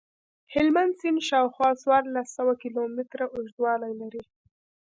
هلمند سیند شاوخوا څوارلس سوه کیلومتره اوږدوالی لري.